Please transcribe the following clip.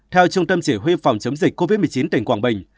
theo trung tâm chỉ huy phòng chống dịch covid một mươi chín tỉnh quảng bình